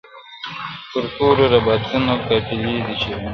پر تورو رباتونو قافلې دي چي راځي٫